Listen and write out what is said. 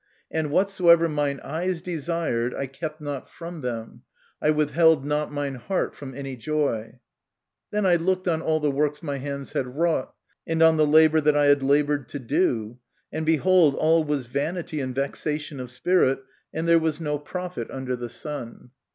And whatsoever mine eyes desired I kept not from them, I withheld not mine heart from any joy. ... Then I looked on all the works my hands had wrought, and on the labour that I had laboured to do: and behold, all was vanity and vexation of spirit, and there was no profit under the sun.